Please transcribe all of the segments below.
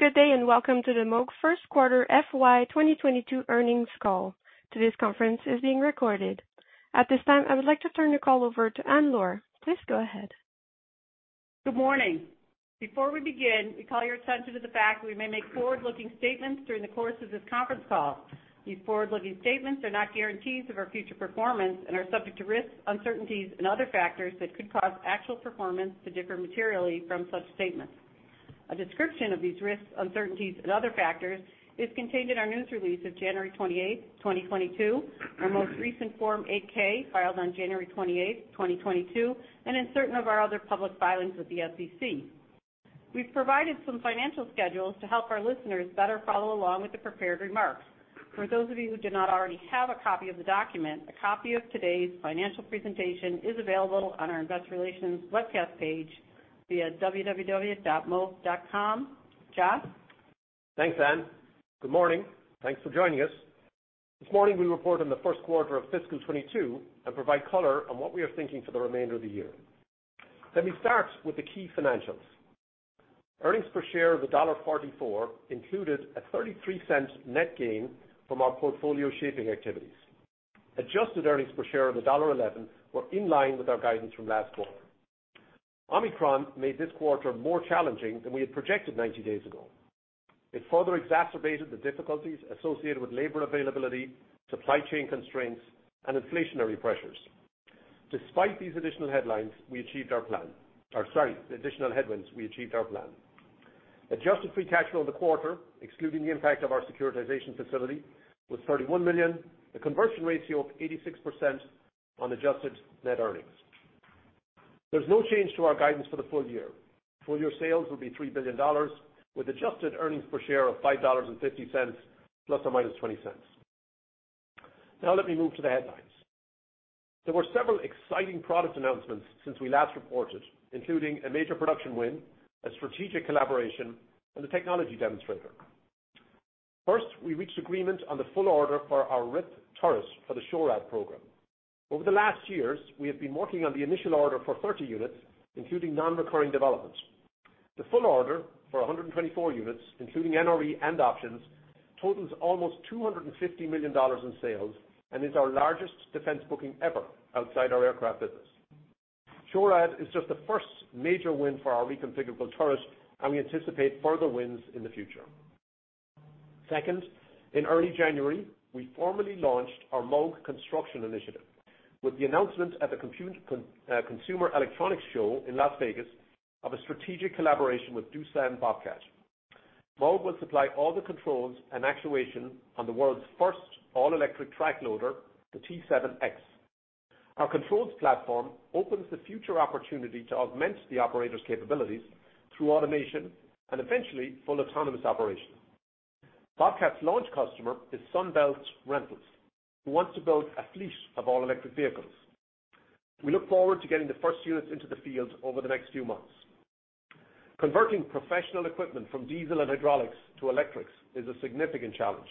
Good day, and welcome to the Moog Q1 FY 2022 earnings call. Today's conference is being recorded. At this time, I would like to turn the call over to Ann Luhr. Please go ahead. Good morning. Before we begin, we call your attention to the fact we may make forward-looking statements during the course of this conference call. These forward-looking statements are not guarantees of our future performance and are subject to risks, uncertainties and other factors that could cause actual performance to differ materially from such statements. A description of these risks, uncertainties and other factors is contained in our news release of January 28, 2022, our most recent Form 8-K, filed on January 28, 2022, and in certain of our other public filings with the SEC. We've provided some financial schedules to help our listeners better follow along with the prepared remarks. For those of you who do not already have a copy of the document, a copy of today's financial presentation is available on our investor relations webcast page via www.moog.com. John? Thanks, Ann Luhr. Good morning. Thanks for joining us. This morning, we report on the Q1 of fiscal 2022 and provide color on what we are thinking for the remainder of the year. Let me start with the key financials. Earnings per share of $1.44 included a $0.33 net gain from our portfolio shaping activities. Adjusted earnings per share of $1.11 were in line with our guidance from last quarter. Omicron made this quarter more challenging than we had projected 90 days ago. It further exacerbated the difficulties associated with labor availability, supply chain constraints, and inflationary pressures. Despite these additional headwinds, we achieved our plan. Adjusted free cash flow in the quarter, excluding the impact of our securitization facility, was $31 million. The conversion ratio of 86% on adjusted net earnings. There's no change to our guidance for the full year. Full year sales will be $3 billion with adjusted earnings per share of $5.50 ± $0.20. Now let me move to the headlines. There were several exciting product announcements since we last reported, including a major production win, a strategic collaboration, and a technology demonstrator. First, we reached agreement on the full order for our RIwP turret for the SHORAD program. Over the last years, we have been working on the initial order for 30 units, including non-recurring developments. The full order for 124 units, including NRE and options, totals almost $250 million in sales and is our largest defense booking ever outside our aircraft business. SHORAD is just the first major win for our reconfigurable turret, and we anticipate further wins in the future. Second, in early January, we formally launched our Moog Construction Initiative with the announcement at the Consumer Electronics Show in Las Vegas of a strategic collaboration with Doosan Bobcat. Moog will supply all the controls and actuation on the world's first all-electric track loader, the T7X. Our controls platform opens the future opportunity to augment the operator's capabilities through automation and eventually full autonomous operation. Bobcat's launch customer is Sunbelt Rentals, who wants to build a fleet of all-electric vehicles. We look forward to getting the first units into the field over the next few months. Converting professional equipment from diesel and hydraulics to electrics is a significant challenge,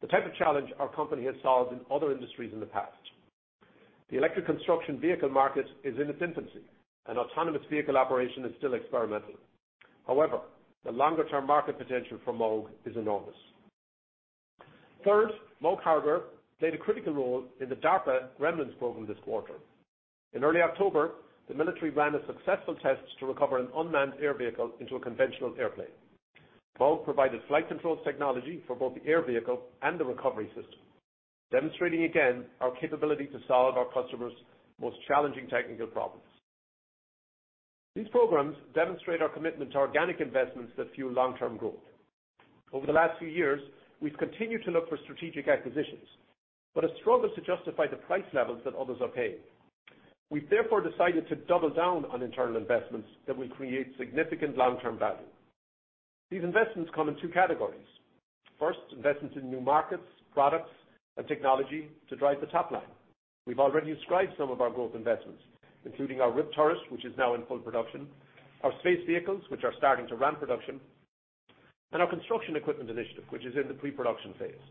the type of challenge our company has solved in other industries in the past. The electric construction vehicle market is in its infancy and autonomous vehicle operation is still experimental. However, the longer-term market potential for Moog is enormous. Third, Moog Harbor played a critical role in the DARPA GREMINS program this quarter. In early October, the military ran a successful test to recover an unmanned air vehicle into a conventional airplane. Moog provided flight controls technology for both the air vehicle and the recovery system, demonstrating again our capability to solve our customers' most challenging technical problems. These programs demonstrate our commitment to organic investments that fuel long-term growth. Over the last few years, we've continued to look for strategic acquisitions, but have struggled to justify the price levels that others are paying. We've therefore decided to double down on internal investments that will create significant long-term value. These investments come in two categories. First, investments in new markets, products, and technology to drive the top line. We've already described some of our growth investments, including our RIwP turret, which is now in full production, our space vehicles, which are starting to ramp production, and our construction equipment initiative, which is in the pre-production phase.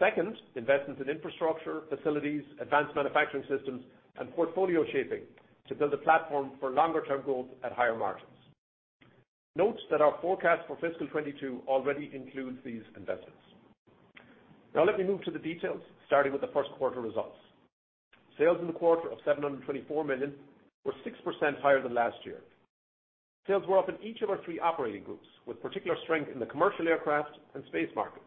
Second, investments in infrastructure, facilities, advanced manufacturing systems, and portfolio shaping to build a platform for longer term growth at higher margins. Note that our forecast for fiscal 2022 already includes these investments. Now let me move to the details, starting with the Q1 results. Sales in the quarter of $724 million were 6% higher than last year. Sales were up in each of our three operating groups with particular strength in the commercial aircraft and space markets.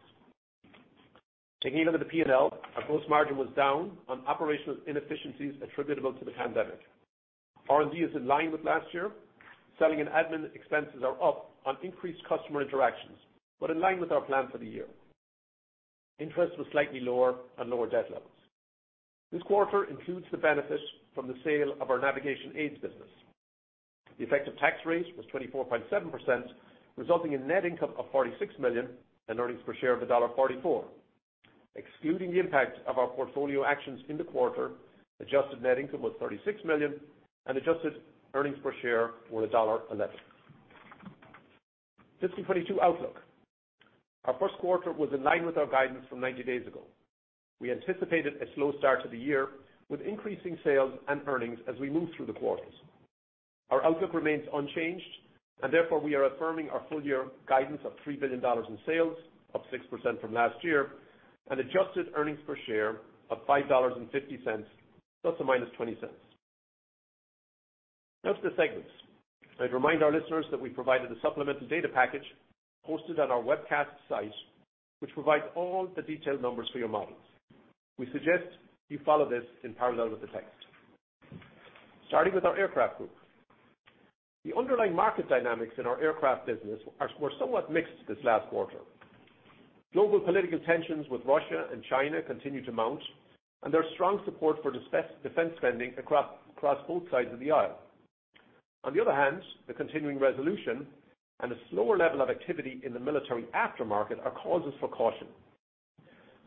Taking a look at the P&L, our gross margin was down on operational inefficiencies attributable to the pandemic. R&D is in line with last year. Selling and admin expenses are up on increased customer interactions, but in line with our plan for the year. Interest was slightly lower on lower debt levels. This quarter includes the benefit from the sale of our navigation aids business. The effective tax rate was 24.7%, resulting in net income of $46 million and earnings per share of $1.44. Excluding the impact of our portfolio actions in the quarter, adjusted net income was $36 million and adjusted earnings per share were $1.11. FY 2022 outlook. Our Q1 was in line with our guidance from 90 days ago. We anticipated a slow start to the year with increasing sales and earnings as we move through the quarters. Our outlook remains unchanged and therefore we are affirming our full-year guidance of $3 billion in sales, up 6% from last year, and adjusted earnings per share of $5.50 ± $0.20. Now to the segments. I'd remind our listeners that we provided a supplemental data package hosted on our webcast site, which provides all the detailed numbers for your models. We suggest you follow this in parallel with the text. Starting with our Aircraft Group. The underlying market dynamics in our aircraft business were somewhat mixed this last quarter. Global political tensions with Russia and China continue to mount and there's strong support for defense spending across both sides of the aisle. On the other hand, the continuing resolution and a slower level of activity in the military aftermarket are causes for caution.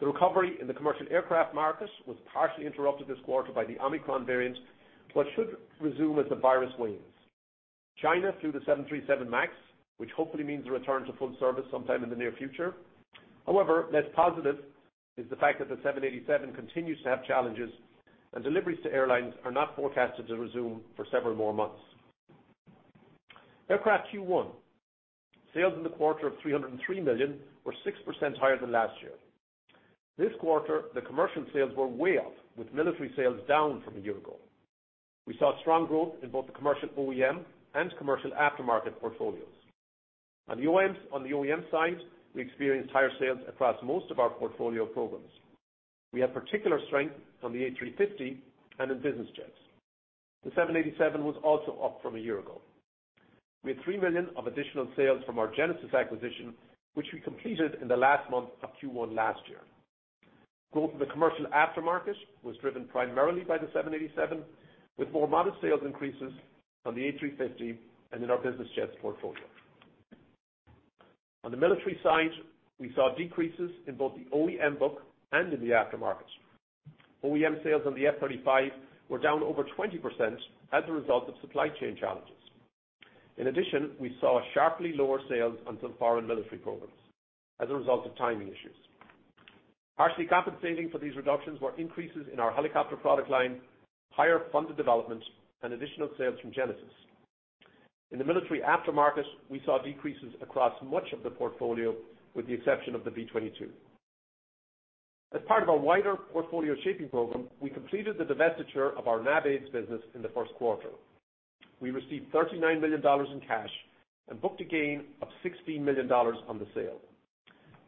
The recovery in the commercial aircraft markets was partially interrupted this quarter by the Omicron variant, but should resume as the virus wanes. China flew the 737 MAX, which hopefully means a return to full service sometime in the near future. However, less positive is the fact that the 787 continues to have challenges and deliveries to airlines are not forecasted to resume for several more months. Aircraft Q1 sales in the quarter of $303 million were 6% higher than last year. This quarter, the commercial sales were way up with military sales down from a year ago. We saw strong growth in both the commercial OEM and commercial aftermarket portfolios. On the OEM side, we experienced higher sales across most of our portfolio of programs. We had particular strength on the A350 and in business jets. The 787 was also up from a year ago. We had $3 million of additional sales from our Genesys Aerosystems acquisition, which we completed in the last month of Q1 last year. Growth in the commercial aftermarket was driven primarily by the 787, with more modest sales increases on the A350 and in our business jets portfolio. On the military side, we saw decreases in both the OEM book and in the aftermarket. OEM sales on the F-35 were down over 20% as a result of supply chain challenges. In addition, we saw sharply lower sales on some foreign military programs as a result of timing issues. Partially compensating for these reductions were increases in our helicopter product line, higher funded development and additional sales from Genesys Aerosystems. In the military aftermarket, we saw decreases across much of the portfolio, with the exception of the V-22. As part of our wider portfolio shaping program, we completed the divestiture of our NAVAIDS business in the Q1. We received $39 million in cash and booked a gain of $16 million on the sale.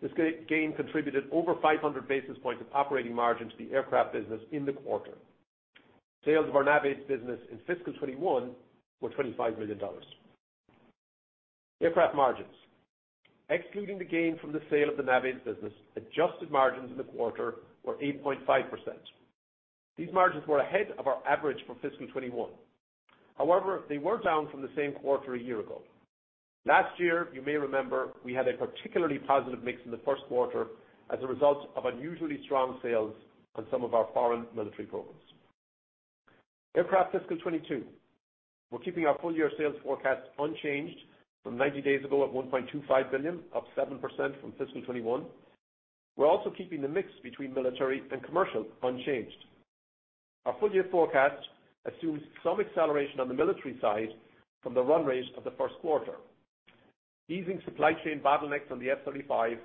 This gain contributed over 500 basis points of operating margin to the aircraft business in the quarter. Sales of our NAVAIDS business in fiscal 2021 were $25 million. Aircraft margins, excluding the gain from the sale of the NAVAIDS business, adjusted margins in the quarter were 8.5%. These margins were ahead of our average for fiscal 2021. However, they were down from the same quarter a year ago. Last year, you may remember we had a particularly positive mix in the Q1 as a result of unusually strong sales on some of our foreign military programs. Aircraft fiscal 2022. We're keeping our full year sales forecast unchanged from 90 days ago at $1.25 billion, up 7% from fiscal 2021. We're also keeping the mix between military and commercial unchanged. Our full year forecast assumes some acceleration on the military side from the run rate of the Q1. Easing supply chain bottlenecks on the F-35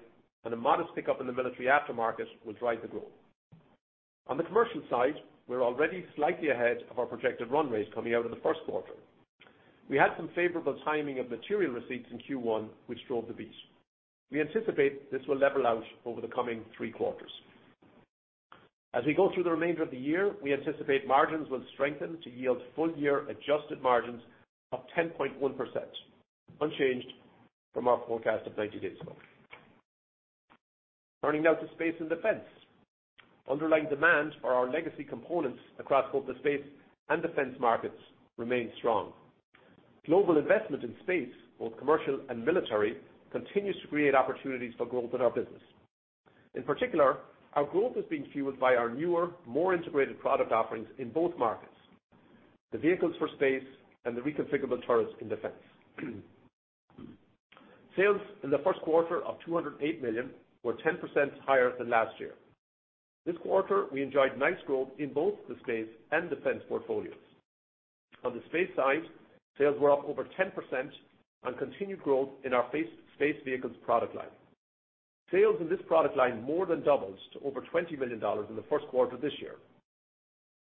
and a modest pickup in the military aftermarket will drive the growth. On the commercial side, we're already slightly ahead of our projected run rates coming out of the Q1. We had some favorable timing of material receipts in Q1 which drove the beat. We anticipate this will level out over the coming three quarters. As we go through the remainder of the year, we anticipate margins will strengthen to yield full year adjusted margins of 10.1%, unchanged from our forecast of 90 days ago. Turning now to Space and Defense. Underlying demand for our legacy components across both the Space and Defense markets remains strong. Global investment in space, both commercial and military, continues to create opportunities for growth in our business. In particular, our growth is being fueled by our newer, more integrated product offerings in both markets, the vehicles for space and the reconfigurable turrets in Defense. Sales in the Q1 of $208 million were 10% higher than last year. This quarter, we enjoyed nice growth in both the Space and Defense portfolios. On the space side, sales were up over 10% on continued growth in our space vehicles product line. Sales in this product line more than doubled to over $20 million in the Q1 this year.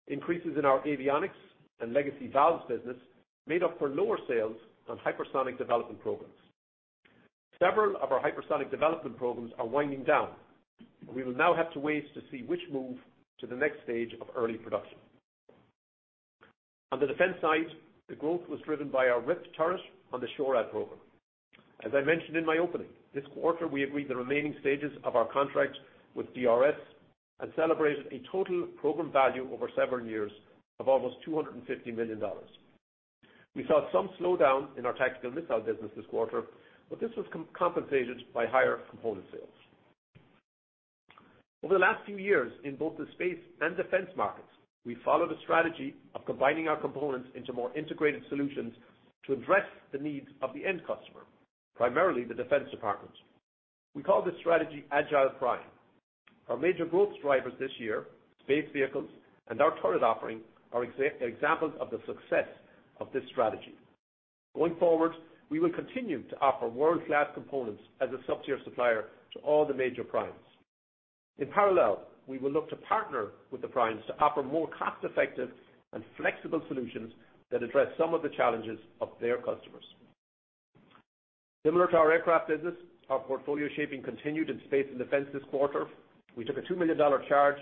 Increases in our avionics and legacy valves business made up for lower sales on hypersonic development programs. Several of our hypersonic development programs are winding down. We will now have to wait to see which move to the next stage of early production. On the defense side, the growth was driven by our RIwP turret on the SHORAD program. As I mentioned in my opening, this quarter we agreed the remaining stages of our contract with DRS and celebrated a total program value over several years of almost $250 million. We saw some slowdown in our tactical missile business this quarter, but this was compensated by higher component sales. Over the last few years in both the space and defense markets, we followed a strategy of combining our components into more integrated solutions to address the needs of the end customer, primarily the defense departments. We call this strategy Agile Prime. Our major growth drivers this year, space vehicles and our turret offering, are examples of the success of this strategy. Going forward, we will continue to offer world-class components as a sub-tier supplier to all the major primes. In parallel, we will look to partner with the primes to offer more cost-effective and flexible solutions that address some of the challenges of their customers. Similar to our aircraft business, our portfolio shaping continued in space and defense this quarter. We took a $2 million charge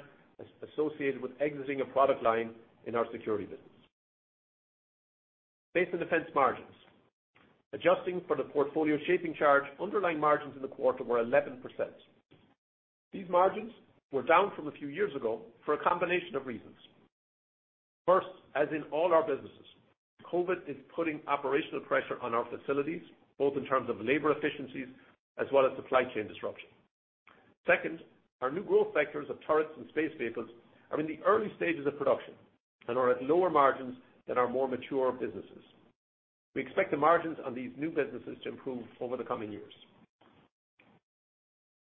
associated with exiting a product line in our security business. Space and defense margins, adjusting for the portfolio shaping charge, were 11% in the quarter. These margins were down from a few years ago for a combination of reasons. First, as in all our businesses, COVID is putting operational pressure on our facilities, both in terms of labor efficiencies as well as supply chain disruption. Second, our new growth sectors of turrets and space vehicles are in the early stages of production and are at lower margins than our more mature businesses. We expect the margins on these new businesses to improve over the coming years.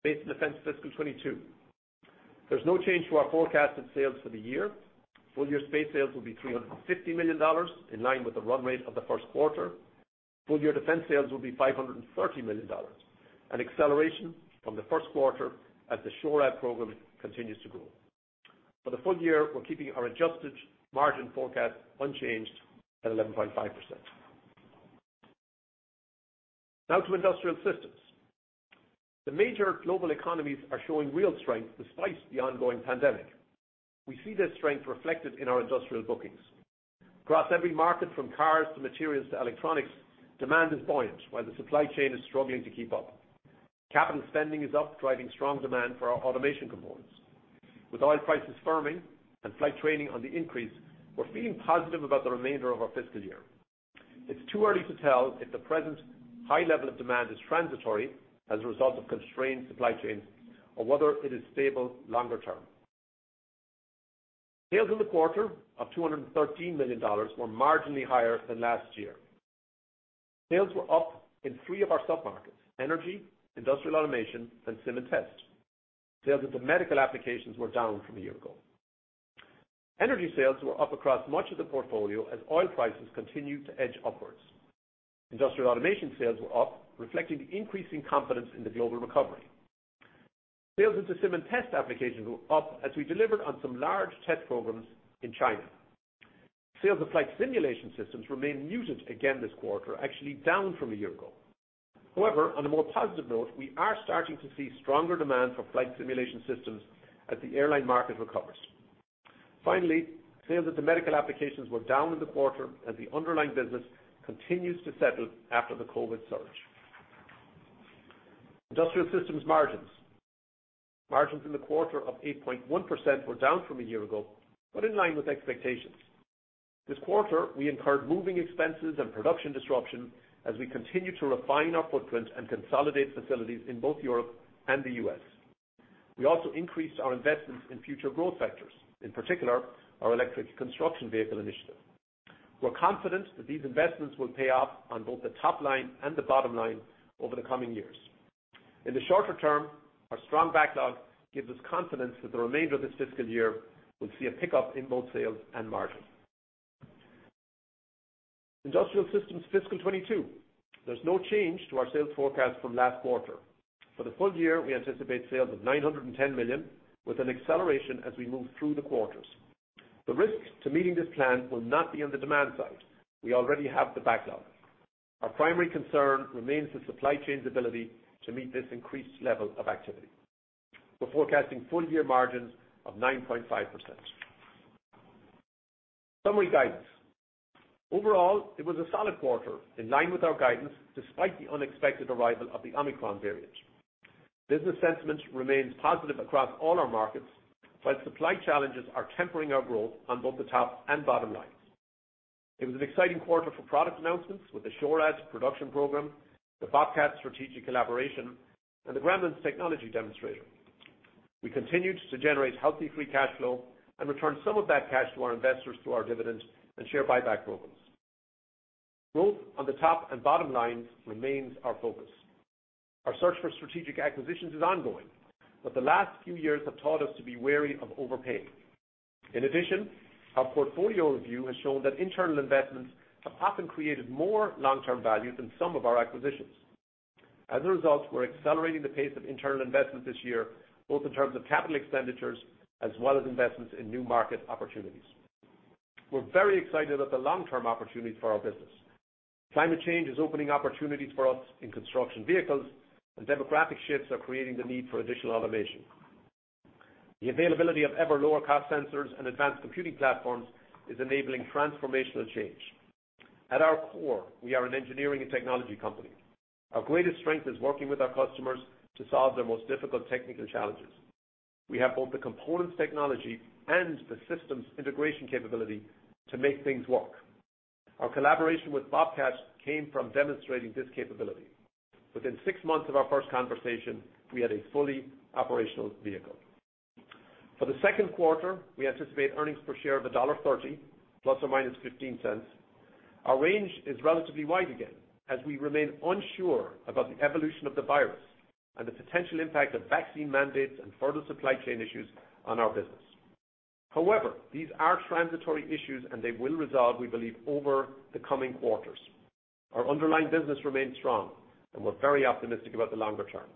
Space and Defense fiscal 2022. There's no change to our forecasted sales for the year. Full year space sales will be $350 million in line with the run rate of the Q1. Full year defense sales will be $530 million, an acceleration from the Q1 as the SHORAD program continues to grow. For the full year, we're keeping our adjusted margin forecast unchanged at 11.5%. Now to industrial systems. The major global economies are showing real strength despite the ongoing pandemic. We see this strength reflected in our industrial bookings. Across every market from cars to materials to electronics, demand is buoyant while the supply chain is struggling to keep up. Capital spending is up, driving strong demand for our automation components. With oil prices firming and flight training on the increase, we're feeling positive about the remainder of our fiscal year. It's too early to tell if the present high level of demand is transitory as a result of constrained supply chains or whether it is stable longer term. Sales in the quarter of $213 million were marginally higher than last year. Sales were up in three of our sub-markets, energy, industrial automation, and sim and test. Sales into medical applications were down from a year ago. Energy sales were up across much of the portfolio as oil prices continued to edge upwards. Industrial automation sales were up, reflecting increasing confidence in the global recovery. Sales into sim and test applications were up as we delivered on some large test programs in China. Sales of flight simulation systems remain muted again this quarter, actually down from a year ago. However, on a more positive note, we are starting to see stronger demand for flight simulation systems as the airline market recovers. Finally, sales into medical applications were down in the quarter as the underlying business continues to settle after the COVID surge. Industrial systems margins in the quarter of 8.1% were down from a year ago, but in line with expectations. This quarter, we incurred moving expenses and production disruption as we continue to refine our footprint and consolidate facilities in both Europe and the U.S. We also increased our investments in future growth sectors, in particular our electric construction vehicle initiative. We're confident that these investments will pay off on both the top line and the bottom line over the coming years. In the shorter term, our strong backlog gives us confidence that the remainder of this fiscal year will see a pickup in both sales and margins. Industrial Systems fiscal 2022. There's no change to our sales forecast from last quarter. For the full year, we anticipate sales of $910 million with an acceleration as we move through the quarters. The risk to meeting this plan will not be on the demand side. We already have the backlog. Our primary concern remains the supply chain's ability to meet this increased level of activity. We're forecasting full-year margins of 9.5%. Summary guidance. Overall, it was a solid quarter in line with our guidance despite the unexpected arrival of the Omicron variant. Business sentiment remains positive across all our markets, while supply challenges are tempering our growth on both the top and bottom lines. It was an exciting quarter for product announcements with the SHORAD production program, the Bobcat strategic collaboration, and the Gremlins technology demonstrator. We continued to generate healthy free cash flow and returned some of that cash to our investors through our dividend and share buyback programs. Growth on the top and bottom lines remains our focus. Our search for strategic acquisitions is ongoing, but the last few years have taught us to be wary of overpaying. In addition, our portfolio review has shown that internal investments have often created more long-term value than some of our acquisitions. As a result, we're accelerating the pace of internal investments this year, both in terms of capital expenditures as well as investments in new market opportunities. We're very excited at the long-term opportunities for our business. Climate change is opening opportunities for us in construction vehicles, and demographic shifts are creating the need for additional automation. The availability of ever lower cost sensors and advanced computing platforms is enabling transformational change. At our core, we are an engineering and technology company. Our greatest strength is working with our customers to solve their most difficult technical challenges. We have both the components technology and the systems integration capability to make things work. Our collaboration with Bobcat came from demonstrating this capability. Within six months of our first conversation, we had a fully operational vehicle. For the Q2, we anticipate earnings per share of $1.30 ± $0.15. Our range is relatively wide again as we remain unsure about the evolution of the virus and the potential impact of vaccine mandates and further supply chain issues on our business. However, these are transitory issues and they will resolve, we believe, over the coming quarters. Our underlying business remains strong and we're very optimistic about the longer term.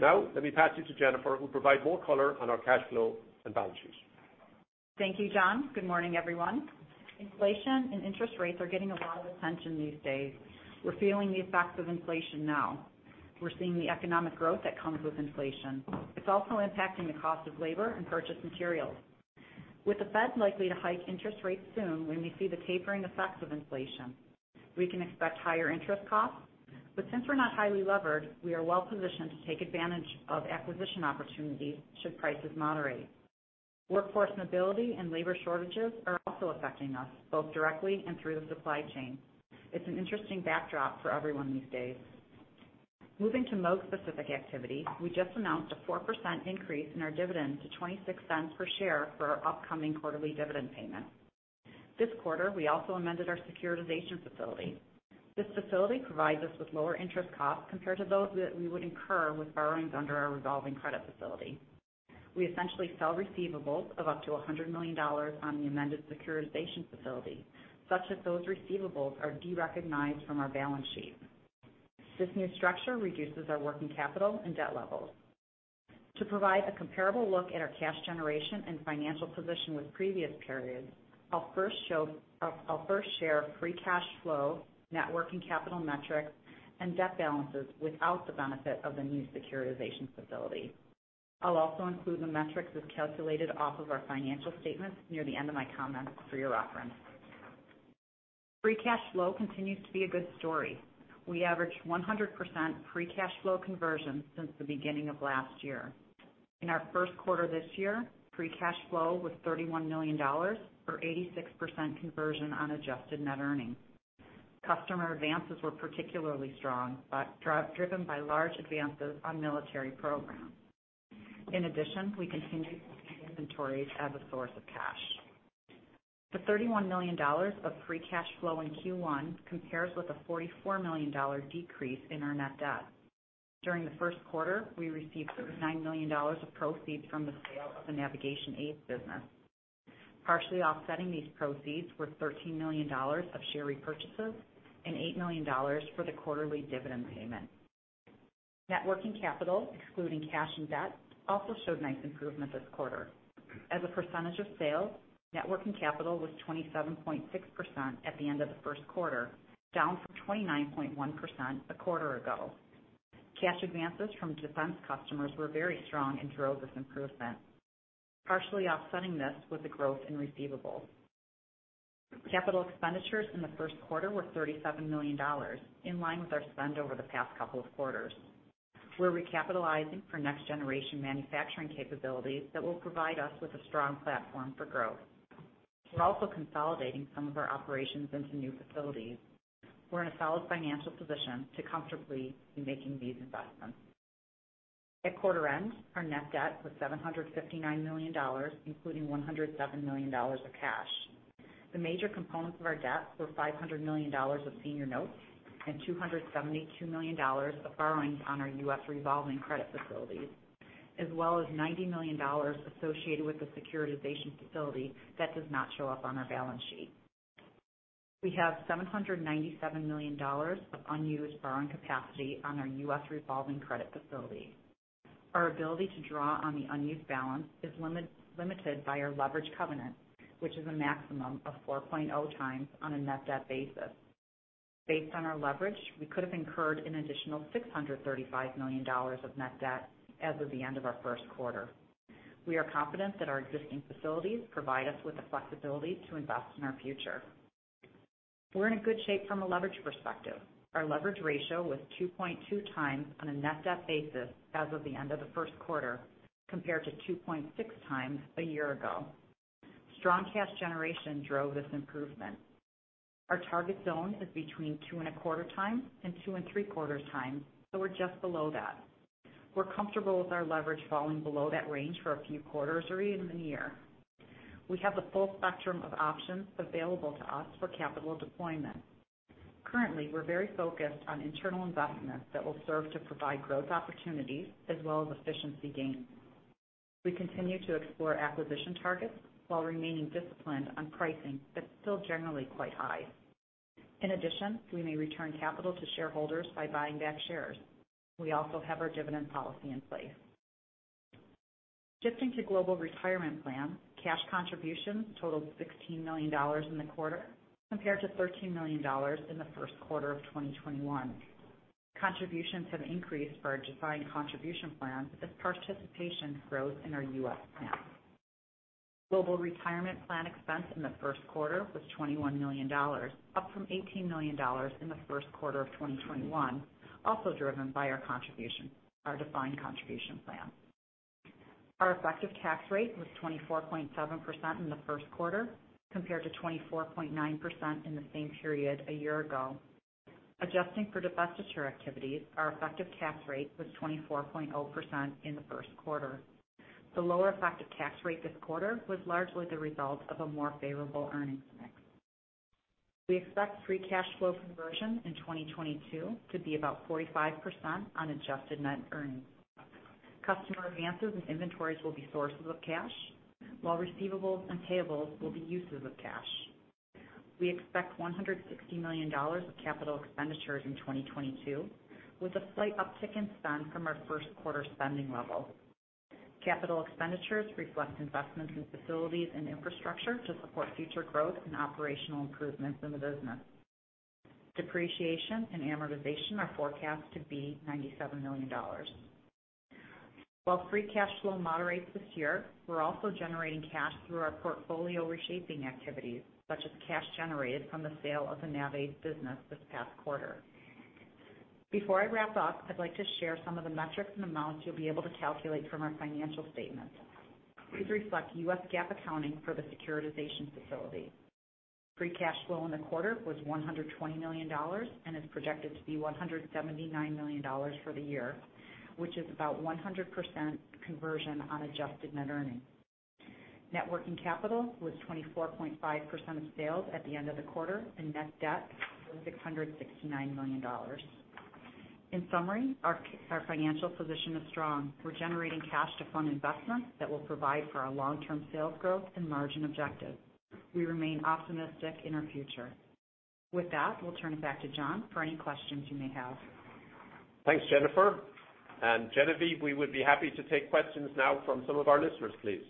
Now let me pass you to Jennifer, who'll provide more color on our cash flow and balance sheet. Thank you, John. Good morning, everyone. Inflation and interest rates are getting a lot of attention these days. We're feeling the effects of inflation now. We're seeing the economic growth that comes with inflation. It's also impacting the cost of labor and purchased materials. With the Fed likely to hike interest rates soon, when we see the tapering effects of inflation, we can expect higher interest costs. Since we're not highly levered, we are well positioned to take advantage of acquisition opportunities should prices moderate. Workforce mobility and labor shortages are also affecting us both directly and through the supply chain. It's an interesting backdrop for everyone these days. Moving to Moog-specific activity, we just announced a 4% increase in our dividend to $0.26 per share for our upcoming quarterly dividend payment. This quarter, we also amended our securitization facility. This facility provides us with lower interest costs compared to those that we would incur with borrowings under our revolving credit facility. We essentially sell receivables of up to $100 million on the amended securitization facility, such that those receivables are derecognized from our balance sheet. This new structure reduces our working capital and debt levels. To provide a comparable look at our cash generation and financial position with previous periods, I'll first share free cash flow, net working capital metrics, and debt balances without the benefit of the new securitization facility. I'll also include the metrics as calculated off of our financial statements near the end of my comments for your reference. Free cash flow continues to be a good story. We average 100% free cash flow conversion since the beginning of last year. In our Q1 this year, free cash flow was $31 million, or 86% conversion on adjusted net earnings. Customer advances were particularly strong driven by large advances on military programs. In addition, we continue to see inventories as a source of cash. The $31 million of free cash flow in Q1 compares with a $44 million decrease in our net debt. During the Q1, we received $39 million of proceeds from the sale of the navigation aids business. Partially offsetting these proceeds were $13 million of share repurchases and $8 million for the quarterly dividend payment. Net working capital, excluding cash and debt, also showed nice improvement this quarter. As a percentage of sales, net working capital was 27.6% at the end of the Q1, down from 29.1% a quarter ago. Cash advances from defense customers were very strong and drove this improvement. Partially offsetting this was the growth in receivables. Capital expenditures in the Q1 were $37 million, in line with our spend over the past couple of quarters. We're recapitalizing for next-generation manufacturing capabilities that will provide us with a strong platform for growth. We're also consolidating some of our operations into new facilities. We're in a solid financial position to comfortably be making these investments. At quarter end, our net debt was $759 million, including $107 million of cash. The major components of our debt were $500 million of senior notes and $272 million of borrowings on our U.S. revolving credit facilities, as well as $90 million associated with the securitization facility that does not show up on our balance sheet. We have $797 million of unused borrowing capacity on our U.S. revolving credit facility. Our ability to draw on the unused balance is limited by our leverage covenant, which is a maximum of 4.0 times on a net debt basis. Based on our leverage, we could have incurred an additional $635 million of net debt as of the end of our Q1. We are confident that our existing facilities provide us with the flexibility to invest in our future. We're in good shape from a leverage perspective. Our leverage ratio was 2.2 times on a net debt basis as of the end of the Q1, compared to 2.6 times a year ago. Strong cash generation drove this improvement. Our target zone is between 2.25x and 2.75x, so we're just below that. We're comfortable with our leverage falling below that range for a few quarters or even a year. We have the full spectrum of options available to us for capital deployment. Currently, we're very focused on internal investments that will serve to provide growth opportunities as well as efficiency gains. We continue to explore acquisition targets while remaining disciplined on pricing that's still generally quite high. In addition, we may return capital to shareholders by buying back shares. We also have our dividend policy in place. Shifting to global retirement plan, cash contributions totaled $16 million in the quarter, compared to $13 million in the Q1 of 2021. Contributions have increased for our defined contribution plan as participation grows in our U.S. plan. Global retirement plan expense in the Q1 was $21 million, up from $18 million in the Q1 of 2021, also driven by our defined contribution plan. Our effective tax rate was 24.7% in the Q1 compared to 24.9% in the same period a year ago. Adjusting for divestiture activities, our effective tax rate was 24.0% in the Q1. The lower effective tax rate this quarter was largely the result of a more favorable earnings mix. We expect free cash flow conversion in 2022 to be about 45% on adjusted net earnings. Customer advances and inventories will be sources of cash, while receivables and payables will be uses of cash. We expect $160 million of capital expenditures in 2022, with a slight uptick in spend from our Q1 spending level. Capital expenditures reflect investments in facilities and infrastructure to support future growth and operational improvements in the business. Depreciation and amortization are forecast to be $97 million. While free cash flow moderates this year, we're also generating cash through our portfolio reshaping activities such as cash generated from the sale of the NAVAIDS business this past quarter. Before I wrap up, I'd like to share some of the metrics and amounts you'll be able to calculate from our financial statements. These reflect US GAAP accounting for the securitization facility. Free cash flow in the quarter was $120 million and is projected to be $179 million for the year, which is about 100% conversion on adjusted net earnings. Net working capital was 24.5% of sales at the end of the quarter, and net debt was $669 million. In summary, our financial position is strong. We're generating cash to fund investment that will provide for our long-term sales growth and margin objective. We remain optimistic in our future. With that, we'll turn it back to John for any questions you may have. Thanks, Jennifer. Genevieve, we would be happy to take questions now from some of our listeners, please.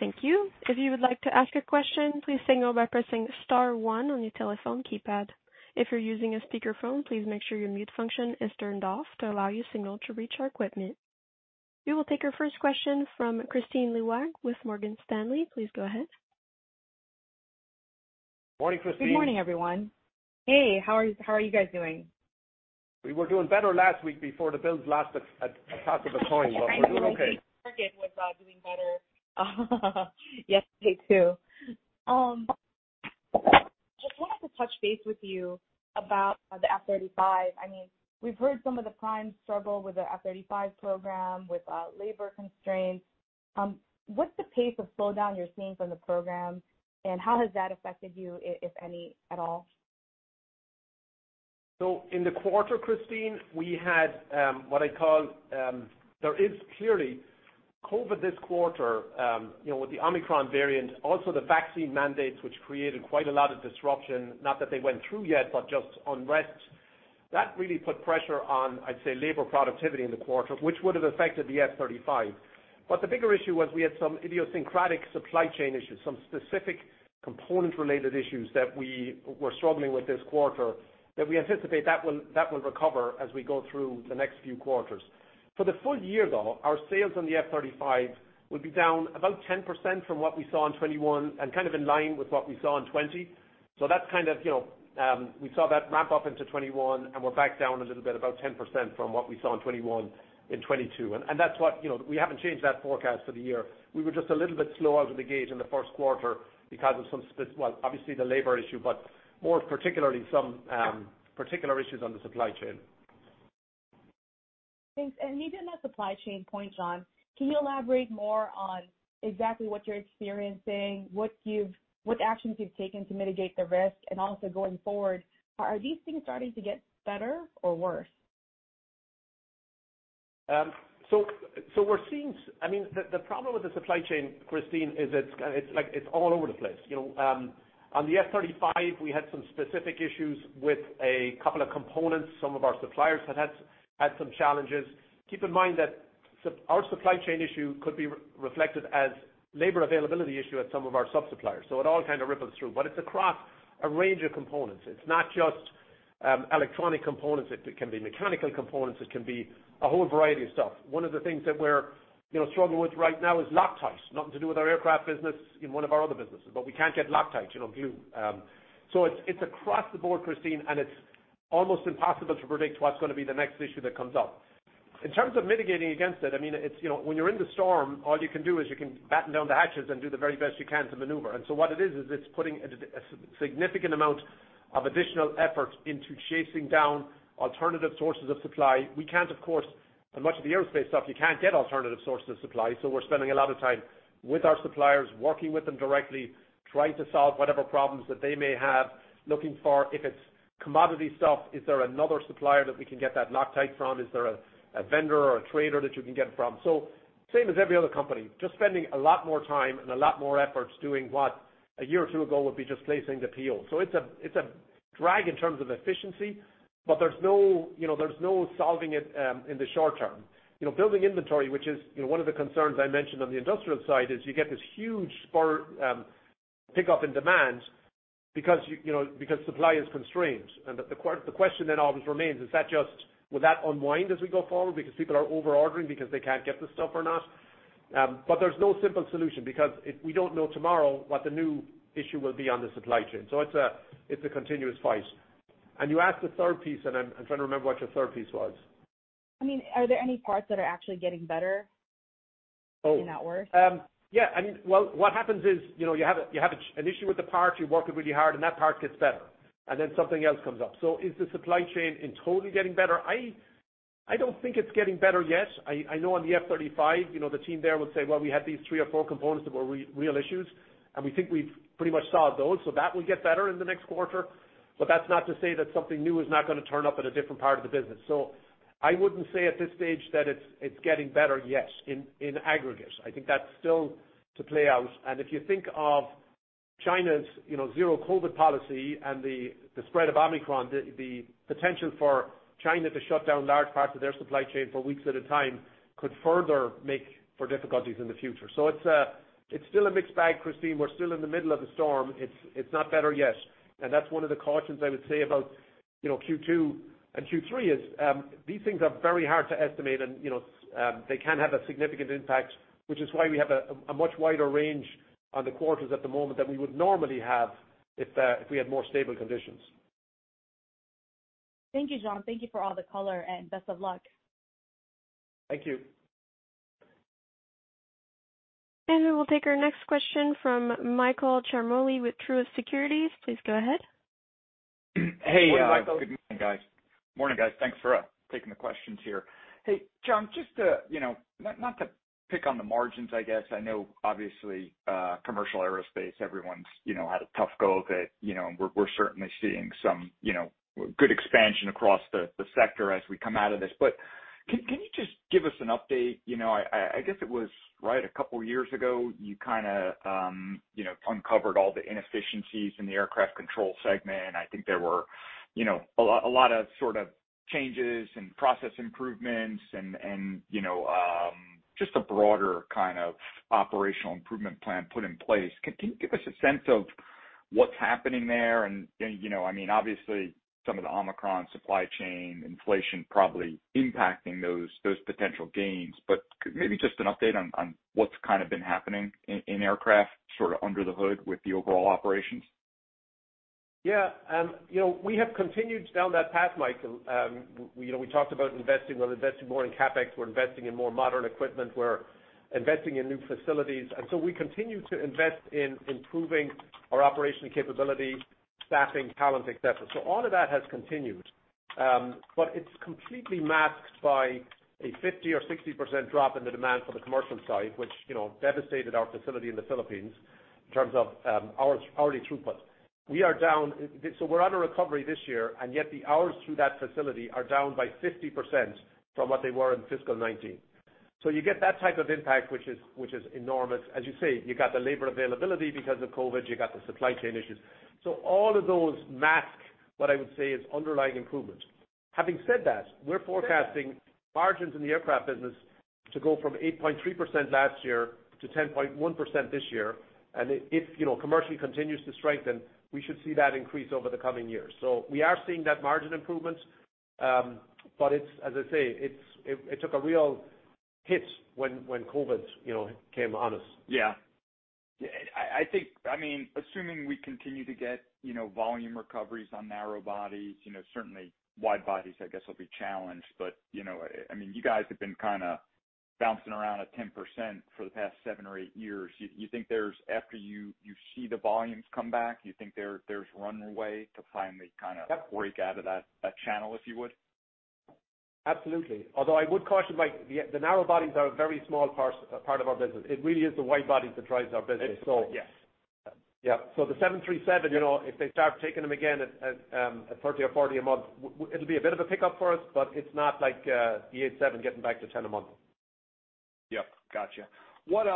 Thank you. If you would like to ask a question, please signal by pressing star one on your telephone keypad. If you're using a speakerphone, please make sure your mute function is turned off to allow your signal to reach our equipment. We will take our first question from Kristine Liwag with Morgan Stanley. Please go ahead. Morning, Kristine. Good morning, everyone. Hey, how are you guys doing? We were doing better last week before the Bills lost at a toss of a coin, but we're doing okay. I think Morgan was doing better yesterday too. Just wanted to touch base with you about the F-35. I mean, we've heard some of the primes struggle with the F-35 program with labor constraints. What's the pace of slowdown you're seeing from the program, and how has that affected you, if any, at all? In the quarter, Kristine, we had what I'd call. There is clearly COVID this quarter, you know, with the Omicron variant, also the vaccine mandates, which created quite a lot of disruption, not that they went through yet, but just unrest. That really put pressure on, I'd say, labor productivity in the quarter, which would've affected the F-35. The bigger issue was we had some idiosyncratic supply chain issues, some specific component-related issues that we were struggling with this quarter that we anticipate will recover as we go through the next few quarters. For the full year though, our sales on the F-35 will be down about 10% from what we saw in 2021 and kind of in line with what we saw in 2020. That's kind of, you know, we saw that ramp up into 2021, and we're back down a little bit about 10% from what we saw in 2021 in 2022. That's what, you know, we haven't changed that forecast for the year. We were just a little bit slow out of the gate in the Q1 because of well, obviously the labor issue, but more particularly some particular issues on the supply chain. Thanks. You did that supply chain point, John. Can you elaborate more on exactly what you're experiencing? What actions you've taken to mitigate the risk? And also going forward, are these things starting to get better or worse? I mean, the problem with the supply chain, Kristine, is it's like it's all over the place. You know, on the F-35, we had some specific issues with a couple of components. Some of our suppliers had some challenges. Keep in mind that our supply chain issue could be reflected as labor availability issue at some of our sub-suppliers. It all kind of ripples through. But it's across a range of components. It's not just electronic components. It can be mechanical components. It can be a whole variety of stuff. One of the things that we're you know struggling with right now is Loctite. Nothing to do with our aircraft business, in one of our other businesses, but we can't get Loctite, you know, glue. It's across the board, Kristine, and it's almost impossible to predict what's gonna be the next issue that comes up. In terms of mitigating against it, I mean, you know, when you're in the storm, all you can do is batten down the hatches and do the very best you can to maneuver. What it is, it's putting a significant amount of additional effort into chasing down alternative sources of supply. We can't, of course, and much of the aerospace stuff, you can't get alternative sources of supply, so we're spending a lot of time with our suppliers, working with them directly, trying to solve whatever problems that they may have, looking for, if it's commodity stuff, is there another supplier that we can get that Loctite from? Is there a vendor or a trader that you can get it from? Same as every other company, just spending a lot more time and a lot more efforts doing what a year or two ago would be just placing the PO. It's a drag in terms of efficiency, but there's no you know solving it in the short term. You know, building inventory, which is you know one of the concerns I mentioned on the industrial side, is you get this huge spurt pickup in demand because you know supply is constrained. The question then always remains, is that just, will that unwind as we go forward because people are over-ordering because they can't get the stuff or not? There's no simple solution because if we don't know tomorrow what the new issue will be on the supply chain. It's a continuous fight. You asked the third piece, and I'm trying to remember what your third piece was. I mean, are there any parts that are actually getting better in that work? I mean, well, what happens is, you know, you have an issue with the part, you work it really hard, and that part gets better, and then something else comes up. Is the supply chain entirely getting better? I don't think it's getting better yet. I know on the F-35, you know, the team there would say, "Well, we had these three or four components that were real issues, and we think we've pretty much solved those," so that will get better in the next quarter. That's not to say that something new is not gonna turn up in a different part of the business. I wouldn't say at this stage that it's getting better yet in aggregate. I think that's still to play out. If you think of China's, you know, zero COVID policy and the spread of Omicron, the potential for China to shut down large parts of their supply chain for weeks at a time could further make for difficulties in the future. So it's still a mixed bag, Kristine. We're still in the middle of the storm. It's not better yet. That's one of the cautions I would say about, you know, Q2 and Q3 is these things are very hard to estimate and, you know, they can have a significant impact, which is why we have a much wider range on the quarters at the moment than we would normally have if we had more stable conditions. Thank you, John. Thank you for all the color, and best of luck. Thank you. We will take our next question from Michael Ciarmoli with Truist Securities. Please go ahead. Morning, Michael. Hey, good morning, guys. Morning, guys. Thanks for taking the questions here. Hey, John, just to, you know, not to pick on the margins, I guess. I know obviously, commercial aerospace, everyone's, you know, had a tough go of it. You know, we're certainly seeing some, you know, good expansion across the sector as we come out of this. Can you just give us an update? You know, I guess it was, right, a couple years ago, you kinda, you know, uncovered all the inefficiencies in the aircraft control segment. I think there were, you know, a lot of sort of changes and process improvements and, you know, just a broader kind of operational improvement plan put in place. Can you give us a sense of what's happening there? You know, I mean, obviously, some of the Omicron supply chain inflation probably impacting those potential gains. Maybe just an update on what's kind of been happening in aircraft, sort of under the hood with the overall operations. Yeah. You know, we have continued down that path, Michael. You know, we talked about investing. We're investing more in CapEx, we're investing in more modern equipment, we're investing in new facilities. We continue to invest in improving our operational capability, staffing, talent, et cetera. All of that has continued. But it's completely masked by a 50% or 60% drop in the demand for the commercial side, which, you know, devastated our facility in the Philippines in terms of hourly throughput. We're on a recovery this year, and yet the hours through that facility are down by 50% from what they were in fiscal 2019. You get that type of impact, which is enormous. As you say, you got the labor availability because of COVID, you got the supply chain issues. All of those mask what I would say is underlying improvement. Having said that, we're forecasting margins in the aircraft business to go from 8.3% last year to 10.1% this year. If, you know, commercially continues to strengthen, we should see that increase over the coming years. We are seeing that margin improvement. But it's, as I say, it took a real hit when COVID, you know, came on us. Yeah. I think, I mean, assuming we continue to get, you know, volume recoveries on narrow bodies, you know, certainly wide bodies, I guess, will be challenged. You know, I mean, you guys have been kinda bouncing around at 10% for the past seven or eight years. After you see the volumes come back, you think there's runway to finally kinda- Yep. Break out of that channel, if you would? Absolutely. Although I would caution, Mike, the narrow bodies are a very small part of our business. It really is the wide bodies that drives our business, so. Yes. Yeah, the 737, you know, if they start taking them again at 30 or 40 a month, it'll be a bit of a pickup for us, but it's not like the 787 getting back to 10 a month. Yep. Gotcha. What,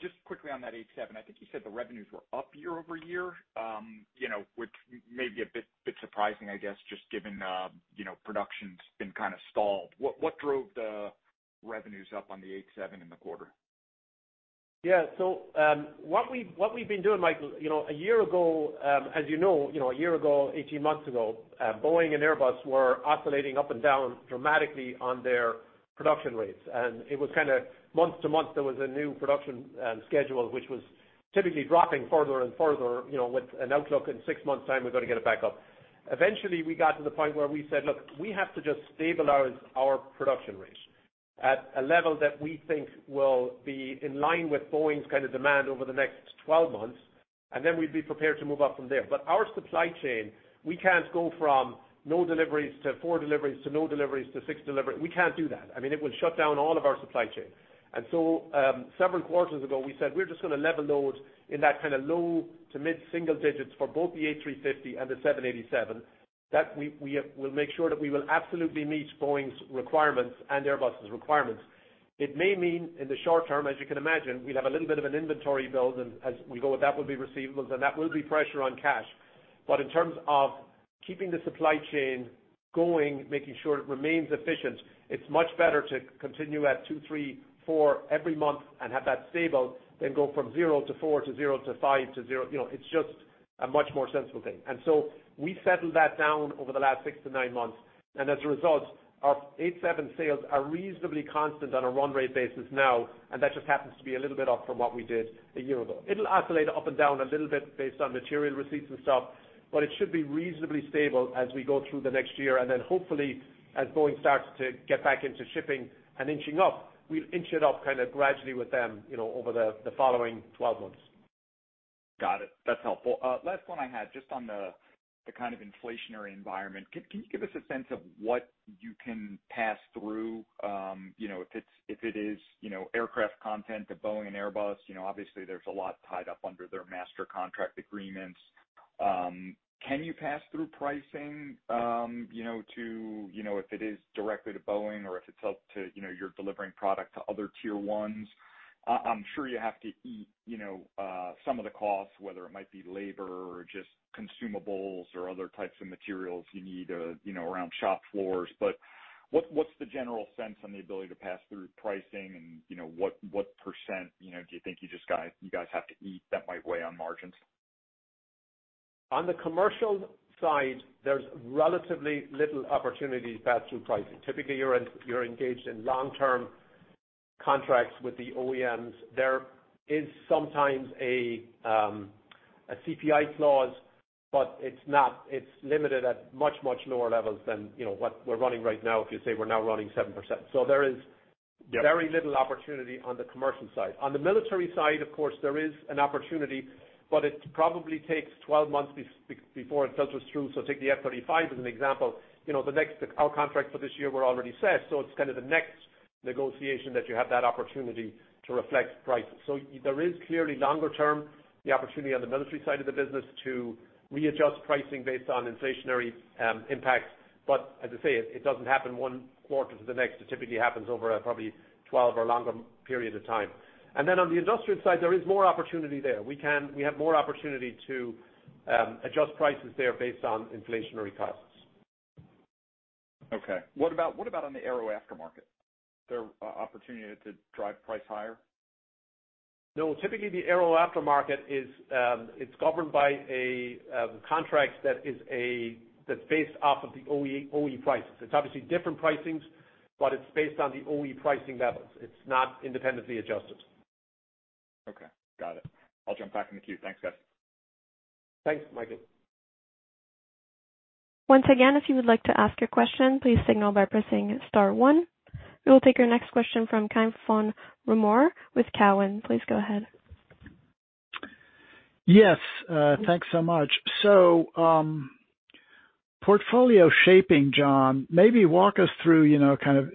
just quickly on that 787, I think you said the revenues were up year-over-year. You know, which may be a bit surprising, I guess, just given you know, production's been kinda stalled. What drove the revenues up on the 787 in the quarter? What we've been doing, Michael, you know, a year ago, as you know, 18 months ago, Boeing and Airbus were oscillating up and down dramatically on their production rates. It was kinda month to month, there was a new production schedule, which was typically dropping further and further, you know, with an outlook in six months' time, we're gonna get it back up. Eventually, we got to the point where we said, "Look, we have to just stabilize our production rates at a level that we think will be in line with Boeing's kinda demand over the next 12 months, and then we'd be prepared to move up from there." Our supply chain, we can't go from no deliveries to four deliveries to no deliveries to six deliveries. We can't do that. I mean, it will shut down all of our supply chain. Several quarters ago, we said, "We're just gonna level those in that kinda low to mid single digits for both the A350 and the 787, that we'll make sure that we will absolutely meet Boeing's requirements and Airbus's requirements." It may mean in the short term, as you can imagine, we'll have a little bit of an inventory build and as we go, that will be receivables, and that will be pressure on cash. In terms of keeping the supply chain going, making sure it remains efficient, it's much better to continue at two, three, four every month and have that stable than go from zero to four to zero to five to zero. You know, it's just a much more sensible thing. We settled that down over the last six-nine months. As a result, our 787 sales are reasonably constant on a run rate basis now, and that just happens to be a little bit off from what we did a year ago. It'll oscillate up and down a little bit based on material receipts and stuff, but it should be reasonably stable as we go through the next year. Then hopefully, as Boeing starts to get back into shipping and inching up, we'll inch it up kind of gradually with them, you know, over the following 12 months. Got it. That's helpful. Last one I had, just on the kind of inflationary environment. Can you give us a sense of what you can pass through? You know, if it is, you know, aircraft content to Boeing and Airbus, you know, obviously there's a lot tied up under their master contract agreements. Can you pass through pricing, you know, to, you know, if it is directly to Boeing or if it's up to, you know, you're delivering product to other tier ones? I'm sure you have to eat, you know, some of the costs, whether it might be labor or just consumables or other types of materials you need, you know, around shop floors. What's the general sense on the ability to pass through pricing and you know, what percent, you know, do you think you guys have to eat that might weigh on margins? On the commercial side, there's relatively little opportunity to pass through pricing. Typically, you're engaged in long-term contracts with the OEMs. There is sometimes a CPI clause, but it's not. It's limited at much, much lower levels than, you know, what we're running right now. If you say we're now running 7%. There is- Yeah. Very little opportunity on the commercial side. On the military side, of course, there is an opportunity, but it probably takes 12 months before it filters through. Take the F-35 as an example. You know, the next our contracts for this year were already set, so it's kind of the next negotiation that you have that opportunity to reflect prices. There is clearly longer term, the opportunity on the military side of the business to readjust pricing based on inflationary impacts. As I say, it doesn't happen one quarter to the next. It typically happens over a probably 12 or longer period of time. Then on the industrial side, there is more opportunity there. We have more opportunity to adjust prices there based on inflationary costs. Okay. What about on the aero aftermarket? Is there opportunity to drive price higher? No. Typically, the aero aftermarket is governed by a contract that's based off of the OE prices. It's obviously different pricings, but it's based on the OE pricing levels. It's not independently adjusted. Okay. Got it. I'll jump back in the queue. Thanks, guys. Thanks, Michael. Once again, if you would like to ask your question, please signal by pressing star one. We will take our next question from Cai von Rumohr with Cowen. Please go ahead. Yes, thanks so much. Portfolio shaping, John, maybe walk us through, you know, kind of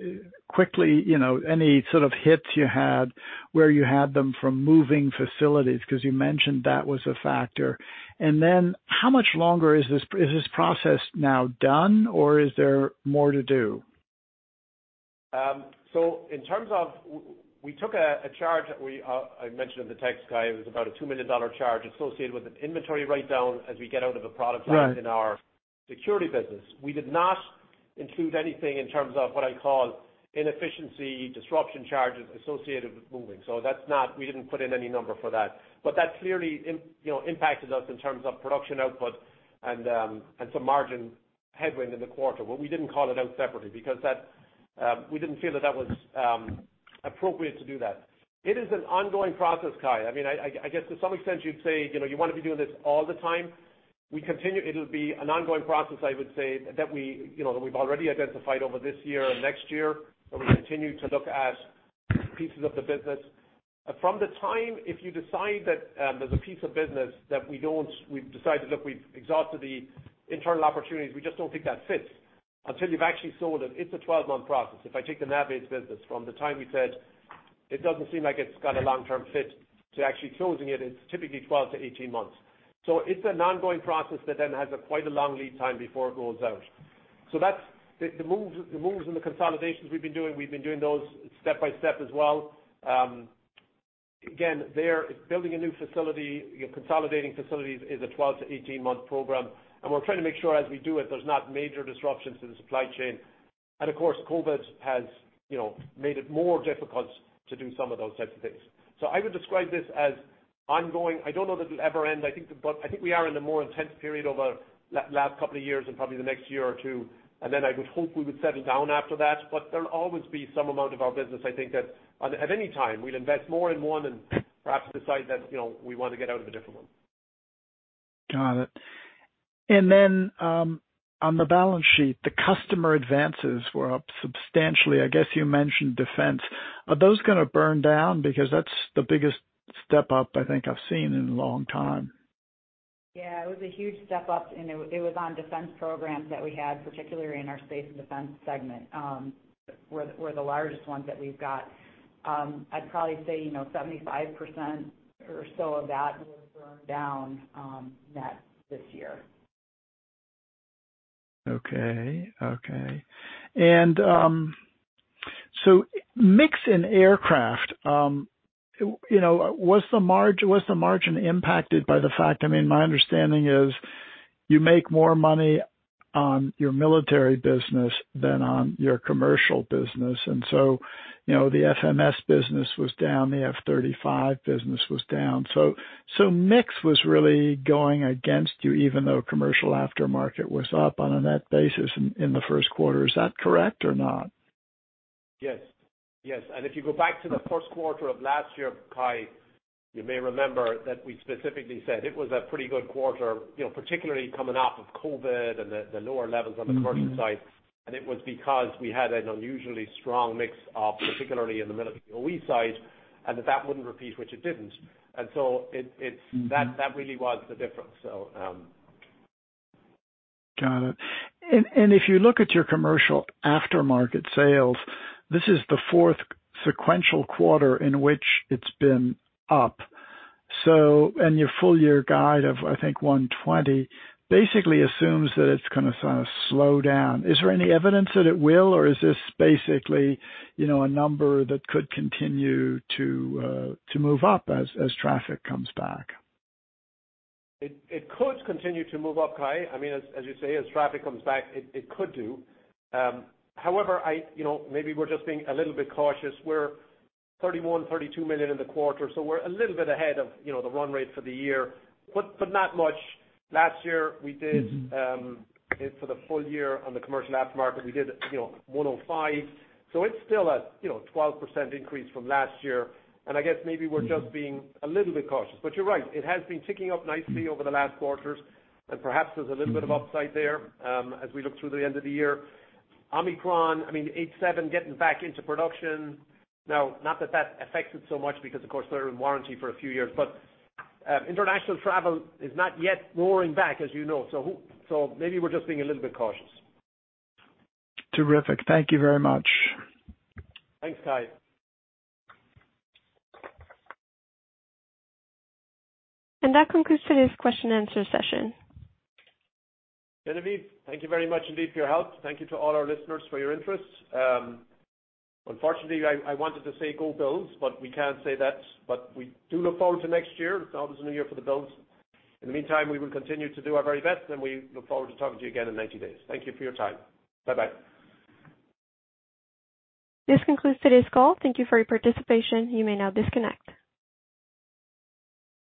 quickly, you know, any sort of hits you had, where you had them from moving facilities, because you mentioned that was a factor. How much longer is this process? Is this process now done or is there more to do? We took a charge that I mentioned in the text, Cai. It was about a $2 million charge associated with an inventory write-down as we get out of a product line. Right. In our security business. We did not include anything in terms of what I call inefficiency, disruption charges associated with moving. We didn't put in any number for that. But that clearly, you know, impacted us in terms of production output and some margin headwind in the quarter. But we didn't call it out separately because that, we didn't feel that that was appropriate to do that. It is an ongoing process, Cai. I mean, I guess to some extent you'd say, you know, you wanna be doing this all the time. It'll be an ongoing process, I would say, that we, you know, that we've already identified over this year and next year, where we continue to look at pieces of the business. From the time, if you decide that there's a piece of business that we've decided, look, we've exhausted the internal opportunities, we just don't think that fits. Until you've actually sold it's a 12-month process. If I take the NAVAIDS business from the time we said, "It doesn't seem like it's got a long-term fit," to actually closing it's typically 12-18 months. It's an ongoing process that then has quite a long lead time before it goes out. That's the moves and the consolidations we've been doing. We've been doing those step by step as well. Again, building a new facility, you know, consolidating facilities is a 12- to 18-month program, and we're trying to make sure as we do it, there's not major disruptions to the supply chain. Of course, COVID has, you know, made it more difficult to do some of those types of things. I would describe this as ongoing. I don't know that it'll ever end, but I think we are in a more intense period over last couple of years and probably the next year or two, and then I would hope we would settle down after that. There'll always be some amount of our business, I think that at any time we'll invest more and more and perhaps decide that, you know, we want to get out of a different one. Got it. On the balance sheet, the customer advances were up substantially. I guess you mentioned defense. Are those gonna burn down? Because that's the biggest step up I think I've seen in a long time. Yeah. It was a huge step up. It was on defense programs that we had, particularly in our Space and Defense segment, were the largest ones that we've got. I'd probably say, you know, 75% or so of that will burn down net this year. Mix in aircraft, you know, was the margin impacted by the fact, I mean, my understanding is you make more money on your military business than on your commercial business. You know, the FMS business was down, the F-35 business was down. Mix was really going against you even though commercial aftermarket was up on a net basis in the Q1. Is that correct or not? Yes. Yes. If you go back to the Q1 of last year, Cai, you may remember that we specifically said it was a pretty good quarter, you know, particularly coming off of COVID and the lower levels on the commercial side. It was because we had an unusually strong mix, particularly in the military OEM side, and that wouldn't repeat, which it didn't. It, Mm-hmm. That really was the difference. Got it. If you look at your commercial aftermarket sales, this is the fourth sequential quarter in which it's been up. Your full year guide of, I think, $120 basically assumes that it's gonna sort of slow down. Is there any evidence that it will, or is this basically, you know, a number that could continue to move up as traffic comes back? It could continue to move up, Cai. I mean, as you say, as traffic comes back, it could do. However, I... You know, maybe we're just being a little bit cautious. We're $31-$32 million in the quarter, so we're a little bit ahead of, you know, the run rate for the year, but not much. Last year we did it for the full year on the commercial aftermarket. We did, you know, $105 million. So it's still a, you know, 12% increase from last year. I guess maybe we're just being a little bit cautious. You're right, it has been ticking up nicely over the last quarters and perhaps there's a little bit of upside there, as we look through the end of the year. Omicron, I mean, 737 getting back into production. Now, not that that affects it so much because of course they're in warranty for a few years. International travel is not yet roaring back, as you know, so maybe we're just being a little bit cautious. Terrific. Thank you very much. Thanks, Cai. That concludes today's question and answer session. Genevieve, thank you very much indeed for your help. Thank you to all our listeners for your interest. Unfortunately, I wanted to say go Bills, but we can't say that. We do look forward to next year. It's always a new year for the Bills. In the meantime, we will continue to do our very best, and we look forward to talking to you again in 90 days. Thank you for your time. Bye-bye. This concludes today's call. Thank you for your participation. You may now disconnect.